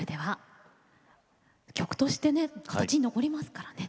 曲として形に残りますからね。